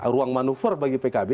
ruang manuver bagi pkb